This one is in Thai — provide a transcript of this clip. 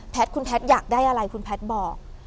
คุณแพทย์อยากได้อะไรคุณแพทย์บอก